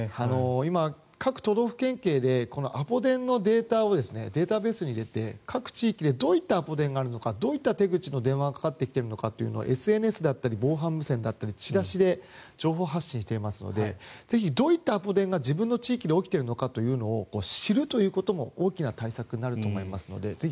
今、各都道府県警でアポ電のデータをデータベースに入れて各地域でどういったアポ電があるのかどういった手口の電話がかかってきているのかというのをＳＮＳだったり防犯無線だったりチラシで情報発信していますのでぜひ、どういったアポ電が自分の地域で起きているかを知るということも大きな対策になるので、ぜひ。